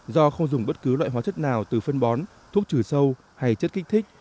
do không dùng bất cứ loại hóa chất nào từ phân bón thuốc trừ sâu hay chất kích thích